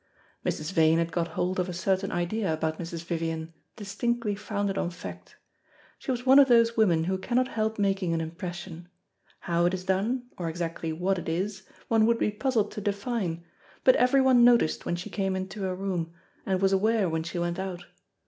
Mrs. Vane had got hold of a certain idea about Mrs. Vivian, distinctly founded on fact. She was one of those women who cannot help making an impression. How it is done, or exactly what it is, one would be puzzled to define, but everyone noticed when she came info a room, and was aware when she went out.